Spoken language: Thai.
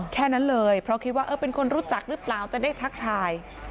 แค่นั้นเลยเพราะคิดว่าเออเป็นคนรู้จักหรือเปล่าจะได้ทักทาย